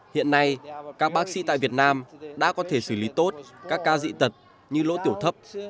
hiện nay các bác sĩ tại việt nam đã có thể xử lý tốt các ca dị tật như lỗ tiểu thấp